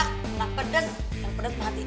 karena pedas yang pedas mati